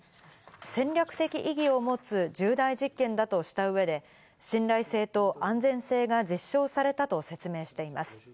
戦略的意義を持つ重大実験だとした上で、信頼性と安全性が実証されたと説明しています。